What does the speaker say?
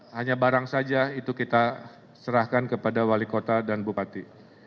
hanya barang saja itu kita serahkan kepada wali kota dan bupati